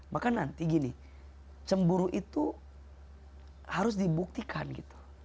maka nanti gini cemburu itu harus dibuktikan gitu